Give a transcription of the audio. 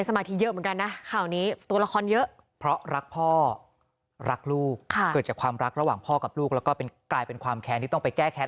ส่วนเห็น